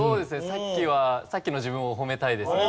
さっきはさっきの自分を褒めたいですね。